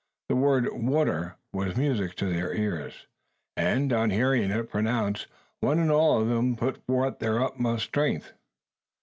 The word "water" was music to their ears; and, on hearing it pronounced, one and all of them put forth their utmost strength.